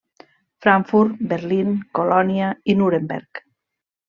Frankfurt, Berlín, Colònia i Nuremberg.